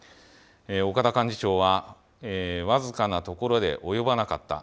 岡田幹事長は、僅かなところで及ばなかった。